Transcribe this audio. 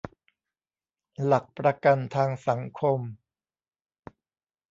หลักประกันทางสังคม